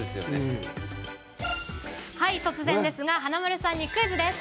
突然ですが華丸さんにクイズです。